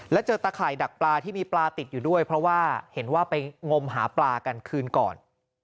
แล้วเจอตะข่ายดักปลาที่มีปลาติดอยู่ด้วยเพราะว่าเห็นว่าไปงมหาปลากันคืนก่อน